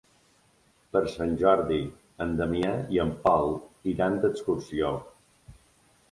Per Sant Jordi en Damià i en Pol iran d'excursió.